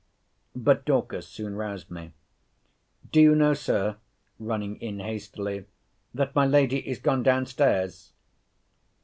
But Dorcas soon roused me—Do you know, Sir, running in hastily, that my lady is gone down stairs!